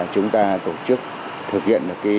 chúng ta tổ chức thực hiện